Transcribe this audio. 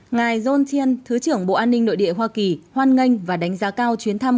ngài yon chiên thứ trưởng bộ an ninh nội địa hoa kỳ hoan nghênh và đánh giá cao chuyến thăm